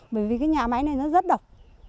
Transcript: bởi vì cái nhà máy này nó rất độc